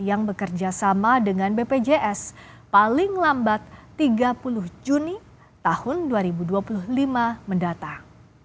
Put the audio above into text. yang bekerja sama dengan bpjs paling lambat tiga puluh juni tahun dua ribu dua puluh lima mendatang